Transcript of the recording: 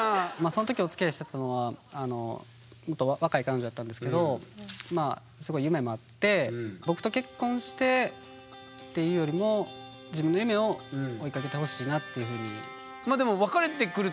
その時おつきあいしてたのはもっと若い彼女やったんですけどすごい夢もあって僕と結婚してっていうよりも自分の夢を追いかけてほしいなっていうふうに。